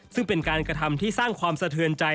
ซึ่งเป็นการกระทำที่สร้างความสะเทือนใจ